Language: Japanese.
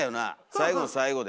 最後の最後で」。